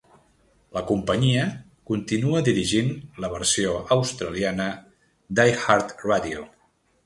La companyia continua dirigint la versió australiana d'iHeartRadio.